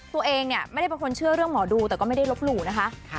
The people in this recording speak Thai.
ตัวเองเนี่ยไม่ได้เป็นคนเชื่อเรื่องหมอดูแต่ก็ไม่ได้ลบหลู่นะคะ